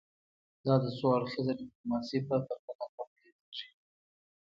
دا د څو اړخیزه ډیپلوماسي په پرتله کمه یادیږي